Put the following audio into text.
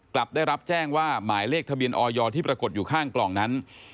กลับได้รับแจ้งว่าหมายเลขทะเบียนออยที่ปรากฏอยู่ข้างกล่องนั้น